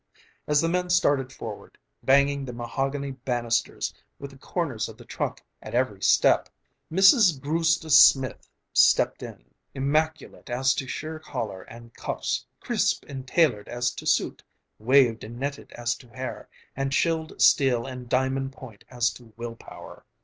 As the men started forward, banging the mahogany banisters with the corners of the trunk at every step, Mrs. Brewster Smith stepped in, immaculate as to sheer collar and cuffs, crisp and tailored as to suit, waved and netted as to hair, and chilled steel and diamond point as to will power.